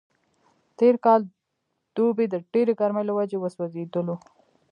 تېر کال دوبی د ډېرې ګرمۍ له وجې وسوځېدلو.